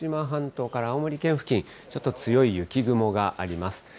半島から青森県付近、ちょっと強い雪雲があります。